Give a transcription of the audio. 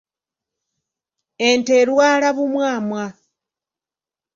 Ente erwala bumwamwa.